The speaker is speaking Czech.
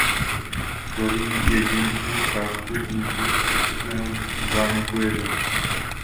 Tvoří jedinečnou ukázku vzniku a postupného zániku jezer.